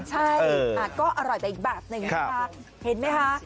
ใช่ก็อร่อยไปอีกแบบหนึ่งนะคะเห็นไหมคะ